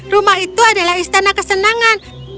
rumah itu adalah istana kesenangan